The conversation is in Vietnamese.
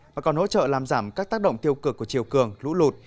mà còn hỗ trợ làm giảm các tác động tiêu cực của chiều cường lũ lụt